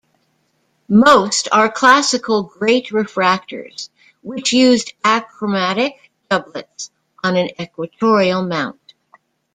Most are classical Great refractors, which used achromatic doublets on an equatorial mount.